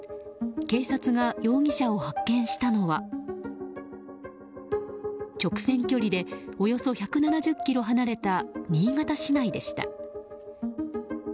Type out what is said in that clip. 警察が容疑者を発見したのは直線距離でおよそ１７０ｋｍ離れた新潟市内でした。